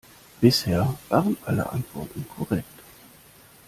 Bisher waren alle Antworten korrekt.